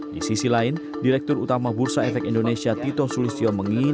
di sisi lain direktur utama bursa efek indonesia tito sulistyo menginginkan